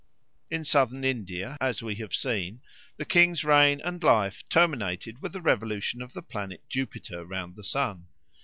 In Southern India, as we have seen, the king's reign and life terminated with the revolution of the planet Jupiter round the sun.